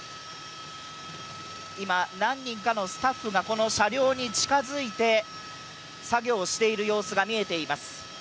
今、何人かのスタッフが車両に近づいて作業している様子が見えています。